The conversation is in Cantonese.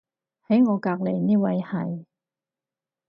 喺我隔離呢位係